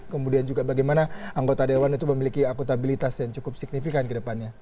kemudian juga bagaimana anggota dewan itu memiliki akuntabilitas yang cukup signifikan ke depannya